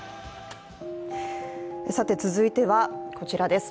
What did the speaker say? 続いては、こちらです。